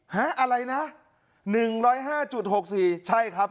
ฮะอะไรนะหนึ่งร้อยห้าจุดหกสี่ใช่ครับ